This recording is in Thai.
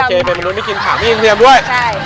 โอเคไม้มันรู้ไม่กินพาเมียงเคลียมด้วย